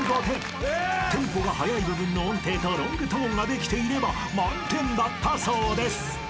［テンポが速い部分の音程とロングトーンができていれば満点だったそうです］